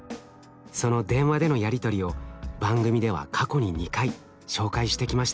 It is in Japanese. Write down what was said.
その電話でのやり取りを番組では過去に２回紹介してきました。